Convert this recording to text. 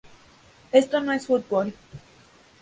Esto no es fútbol.